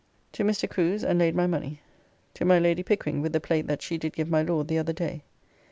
To Mr. Crew's and laid my money. To my Lady Pickering with the plate that she did give my Lord the other day.